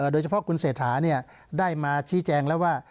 โดยเฉพาะคุณเศรษฐาได้มาชี้แจงแล้วว่า